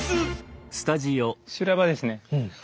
修羅場ですね。